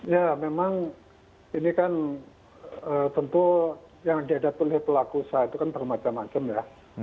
ya memang ini kan tentu yang dihadapi oleh pelaku usaha itu kan bermacam macam ya